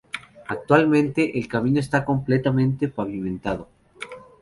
Actualmente, el camino está completamente pavimentado.